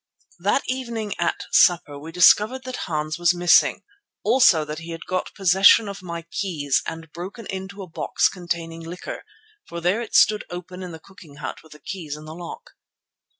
That evening at supper we discovered that Hans was missing; also that he had got possession of my keys and broken into a box containing liquor, for there it stood open in the cooking hut with the keys in the lock.